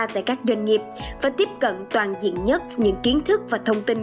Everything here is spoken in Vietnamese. tại các doanh nghiệp và tiếp cận toàn diện nhất những kiến thức và thông tin